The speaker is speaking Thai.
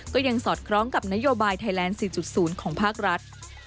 ก็ยังสอดคล้องกับนโยบายไทยแลนด์๔๐ของภาครัฐ